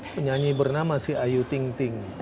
oh iya penyanyi bernama si ayu ting ting